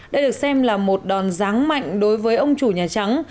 đây được xem là một đòn ráng mạnh đối với ông chủ nhà trắng